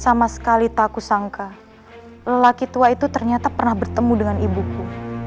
sama sekali tak ku sangka lelaki tua itu ternyata pernah bertemu dengan ibuku